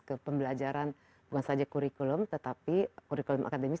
ke pembelajaran bukan saja kurikulum tetapi kurikulum akademis